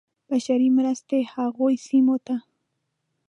بشري مرستې هغو سیمو ته.